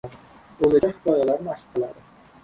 O‘zicha hikoyalar mashq qiladi.